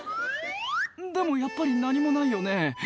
でもやっぱり何もないよね？